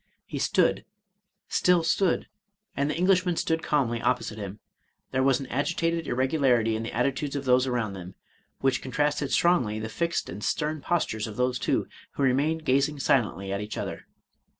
He stood — still stood, and the Englishman stood calmly opposite to him. There was an agitated irregularity in the attitudes of those around them, which contrasted strongly the fixed and stem postures of those two, who remained gazing silently at each other.